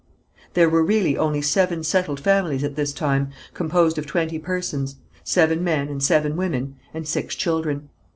There were really only seven settled families at this time, composed of twenty persons, seven men and seven women, and six children.